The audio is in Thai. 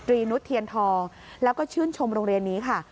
นุษย์เทียนทองแล้วก็ชื่นชมโรงเรียนนี้ค่ะ